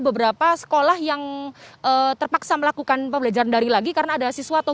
beberapa sekolah yang terpaksa melakukan pembelajaran dari lagi karena ada siswa atau